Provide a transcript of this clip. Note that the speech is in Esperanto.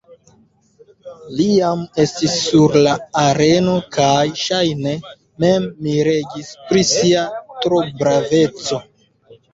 Li jam estis sur la areno kaj, ŝajne, mem miregis pri sia trobraveco.